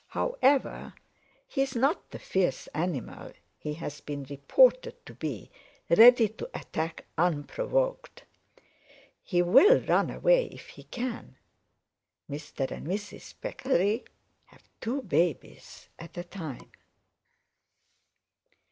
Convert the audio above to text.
However, he is not the fierce animal he has been reported to be, ready to attack unprovoked. He will run away if he can. Mr. and Mrs. Peccary have two babies at a time.